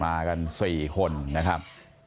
มากัน๔คนนะครับ